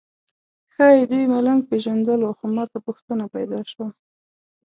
ښایي دوی ملنګ پېژندلو خو ماته پوښتنه پیدا شوه.